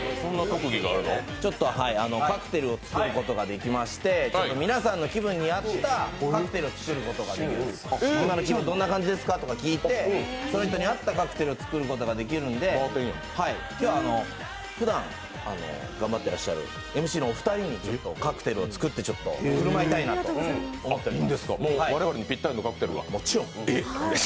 ちょっとカクテルを作ることができまして、皆さんの気分に合ったカクテルを作ることができるので今の気分、どんな感じですかとか聞いてその人に合ったカクテルを作ることができるんで今日はふだん頑張ってらっしゃるＭＣのお二人にカクテルを作って振る舞いたいなと思っています。